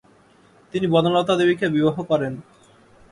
তিনি বনলতা দেবীকে বিবাহ করেন।